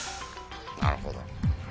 なるほど。